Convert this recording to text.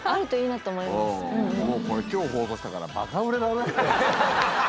もうこれ今日放送したからバカ売れだね。